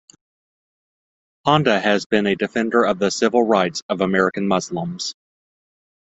Honda has been a defender of the civil rights of American Muslims.